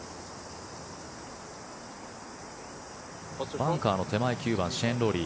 バンカーの手前、９番シェーン・ロウリー。